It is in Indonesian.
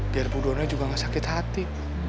biar bu dona juga nggak sakit hati